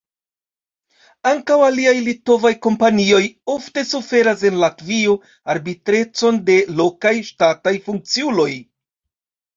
Ankaŭ aliaj litovaj kompanioj ofte suferas en Latvio arbitrecon de lokaj ŝtataj funkciuloj.